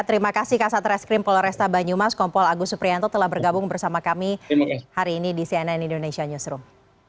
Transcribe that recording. terima kasih kasat reskrim poloresta banyumas kompol agus suprianto telah bergabung bersama kami hari ini di cnn indonesia newsroom